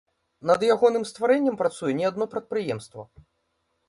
Над ягоным стварэннем працуе не адно прадпрыемства.